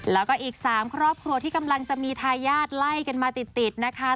แล้วก็อีก๓ครอบครัวที่กำลังจะมีทายาทไล่กันมาติดนะคะ